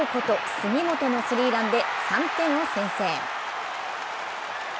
杉本のスリーランで３点を先制。